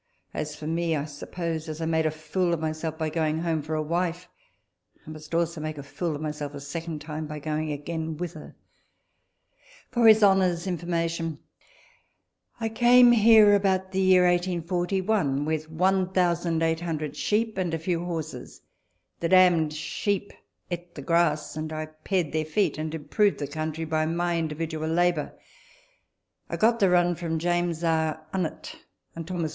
As for me, I suppose, as I made a fool of myself by going home for a wife, I must also make a fool of myself a second time by going again with her. For His Honour's informafcion : I came here about the year 1841 with 1,800 sheep and a few horses. The damned sheep eat the grass, and I pared their feet, and improved the country by my individual labour. I got the run from James R. Unitt, and Thos.